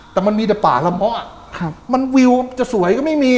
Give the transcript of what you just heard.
แต่มันมีแต่ป่าละเมาะมันวิวจะสวยก็ไม่มี